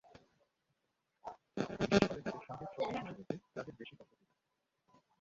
বিশেষ করে যাদের সঙ্গে ছোট্ট শিশু রয়েছে, তাদের বেশি কষ্ট হয়েছে।